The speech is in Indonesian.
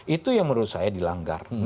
itu yang menurut saya dilanggar